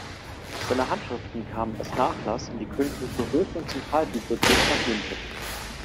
Seine Handschriften kamen als Nachlass in die königliche Hof- und Zentralbibliothek nach München.